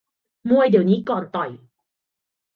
มวยเดี๋ยวนี้ก่อนต่อย